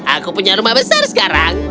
aku punya rumah besar sekarang